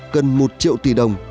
cần một triệu tỷ đồng